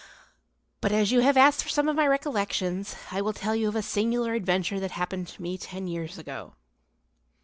But as you have asked for some of my recollections, I will tell you of a singular adventure that happened to me ten years ago.